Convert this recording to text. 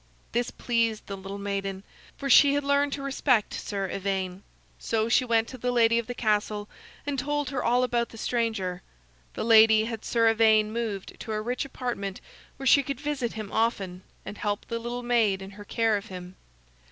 This pleased the little maiden, for she had learned to respect Sir Ivaine. So she went to the lady of the castle and told her all about the stranger. The lady had Sir Ivaine moved to a rich apartment where she could visit him often and help the little maid in her care of him.